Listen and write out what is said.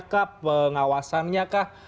kah pengawasannya kah